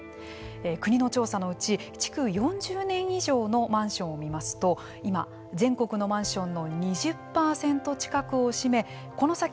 国の調査のうち築４０年以上のマンションを見ますと今、全国のマンションの２０％近くを占めこの先